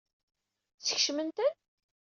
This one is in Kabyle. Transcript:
Skecmen-ten?